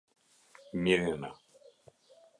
Mirena